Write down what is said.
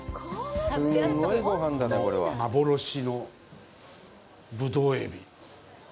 この幻のブドウエビ。